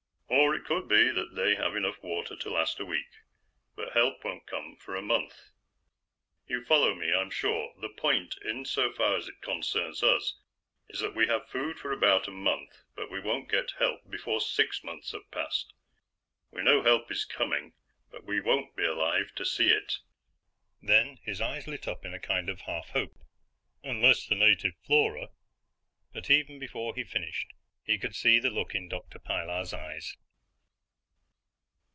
"Or, it could be that they have enough water to last a week, but help won't come for a month. "You follow me, I'm sure. The point, in so far as it concerns us, is that we have food for about a month, but we won't get help before six months have passed. We know help is coming, but we won't be alive to see it." Then his eyes lit up in a kind of half hope. "Unless the native flora " But even before he finished, he could see the look in Dr. Pilar's eyes.